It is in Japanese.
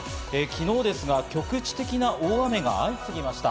昨日ですが局地的な大雨が相次ぎました。